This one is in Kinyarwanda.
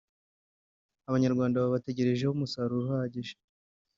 Abanyarwanda babategerejeho umusaruro uhagije